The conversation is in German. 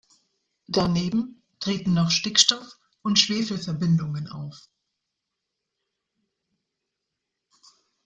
Daneben treten noch Stickstoff- und Schwefelverbindungen auf.